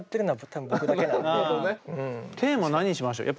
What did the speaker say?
テーマ何にしましょう？